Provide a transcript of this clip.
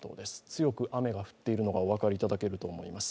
強く雨が降っているのがお分かりいただけると思います。